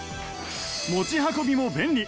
持ち運びも便利